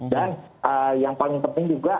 dan yang paling penting juga